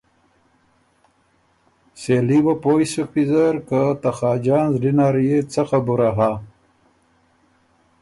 سېلي وه پویٛ سُک ویزر که ته خاجان زلی نر يې څه خبُره هۀ۔